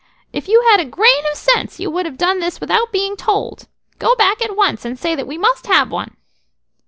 "If you had had a grain of sense you would have done this without being told. Go back at once, and say that we must have one."